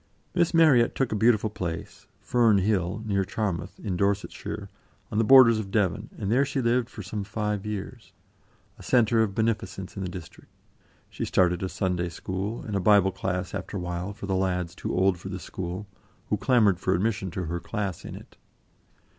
Miss Marryat took a beautiful place, Fern Hill, near Charmouth, in Dorsetshire, on the borders of Devon, and there she lived for some five years, a centre of beneficence in the district. She started a Sunday School, and a Bible Class after awhile for the lads too old for the school, who clamoured for admission to her class in it.